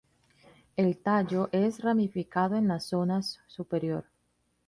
El tallo es ramificado en las zonas superior.